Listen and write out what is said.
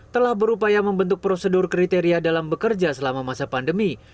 telah berupaya membentuk prosedur kriteria dalam bekerja selama masa pandemi